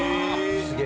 すげえ！